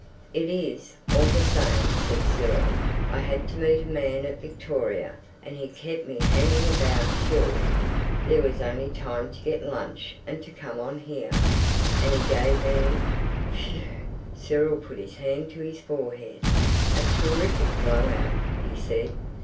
"It is, all the same," said Cyril. "I had to meet a man at Victoria, and he kept me hanging about till... there was only time to get lunch and to come on here. And he gave me—phew"—Cyril put his hand to his forehead—"a terrific blow out," he said.